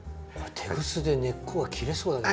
テグスで根っこが切れそうだけど。